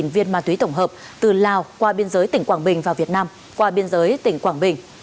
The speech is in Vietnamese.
ba trăm linh bốn viên ma túy tổng hợp từ lào qua biên giới tỉnh quảng bình vào việt nam qua biên giới tỉnh quảng bình